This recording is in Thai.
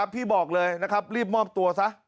พี่บอกเลยนะครับรีบมอบตัวซะ